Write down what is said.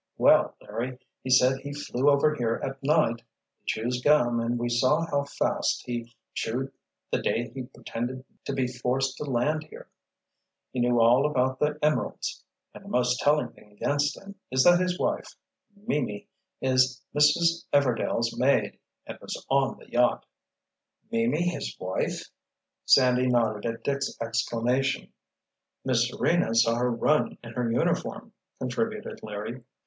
"Well, Larry, he said he flew over here at night. He chews gum and we saw how fast he chewed the day he pretended to be forced to land here. He knew all about the emeralds. And the most telling thing against him is that his wife—Mimi—is Mrs. Everdail's maid and was on the yacht——" "Mimi his wife?" Sandy nodded at Dick's exclamation. "Miss Serena saw her run in her uniform," contributed Larry.